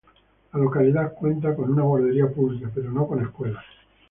La localidad cuenta con una guardería pública pero no con escuelas.